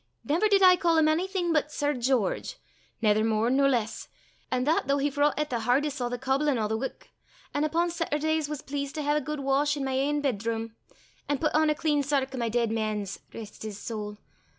never did I ca' him onything but Sir George, naither mair nor less, an' that though he vroucht the hardest at the cobblin' a' the ook, an' upo' Setterdays was pleased to hae a guid wash i' my ain bedroom, an' pit on a clean sark o' my deid man's rist his sowl!